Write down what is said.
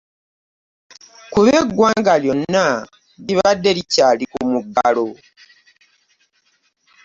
Kuba eggwanga lyonna libadde likyali ku muggalo.